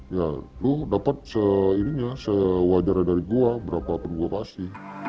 ya lo dapat se ini ya sewajarnya dari gue berapa pun gue pasti